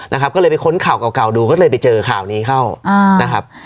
นะครับก็เลยไปค้นข่าวเก่าเก่าดูก็เลยไปเจอข่าวนี้เข้าอ่านะครับ